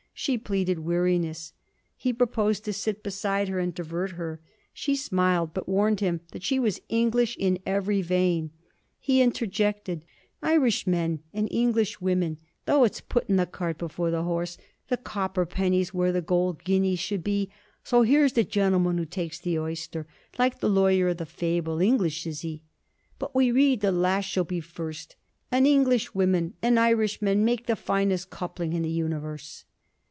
She pleaded weariness. He proposed to sit beside her and divert her. She smiled, but warned him that she was English in every vein. He interjected: 'Irish men and English women! though it's putting the cart before the horse the copper pennies where the gold guineas should be. So here's the gentleman who takes the oyster, like the lawyer of the fable. English is he? But we read, the last shall be first. And English women and Irish men make the finest coupling in the universe.'